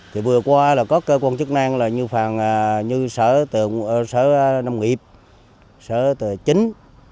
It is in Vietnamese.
thì vừa qua là có cơ quan chức năng là như sở nông nghiệp sở tờ chính